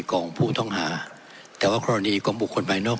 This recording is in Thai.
กองผู้ท่องหาแต่ว่าคอโรนีกองบุคคลภายนอก